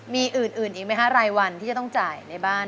มีอื่นอีกไหมคะรายวันที่จะต้องจ่ายในบ้าน